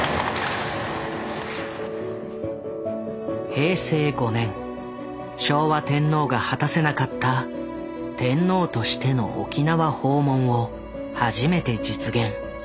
平成５年昭和天皇が果たせなかった天皇としての沖縄訪問を初めて実現。